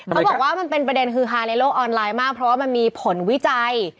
เขาบอกว่ามันเป็นประเด็นคือฮาในโลกออนไลน์มากเพราะว่ามันมีผลวิจัย